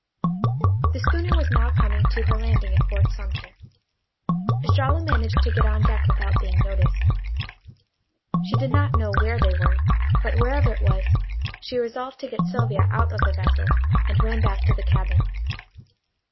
The schooner was now coming to her landing at Fort Sumter. Estralla managed to get on deck without being noticed. She did not know where they were, but wherever it was she resolved to get Sylvia out of the vessel, and ran back to the cabin.